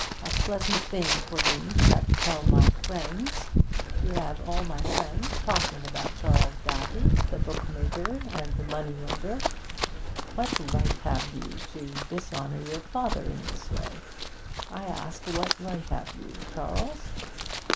A pleasant thing for me to have all my friends talking about Charles Daffy, the bookmaker and the moneylender! What right have you to dishonour your father in this way? I ask, what right have you, Charles?'